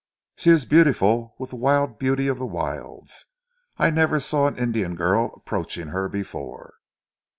She is beautiful with the wild beauty of the wilds. I never saw an Indian girl approaching her before."